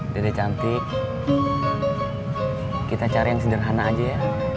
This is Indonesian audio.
dede cantik kita cari yang sederhana aja ya